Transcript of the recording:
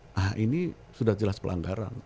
nah ini sudah jelas pelanggaran